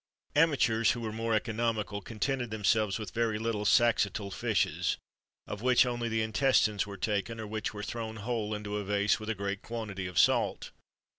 Amateurs who were more economical contented themselves with very little saxatile fishes,[XXIII 31] of which only the intestines were taken, or which were thrown whole into a vase with a great quantity of salt.